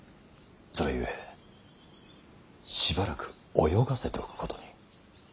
それゆえしばらく泳がせておくことに。